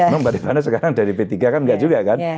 memang mbak rifana sekarang dari p tiga kan enggak juga kan